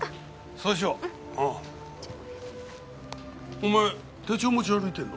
お前手帳持ち歩いてるの？